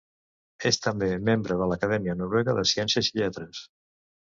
És també membre de l'Acadèmia Noruega de Ciències i Lletres.